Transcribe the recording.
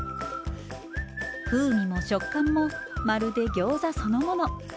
風味も食感もまるでギョーザそのもの。